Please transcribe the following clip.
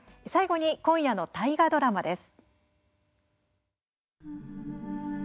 最後に、今夜の大河ドラマです。